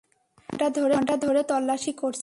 তিন ঘণ্টা ধরে তল্লাশী করছি।